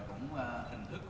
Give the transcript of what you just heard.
hình thức cũng mới mẻ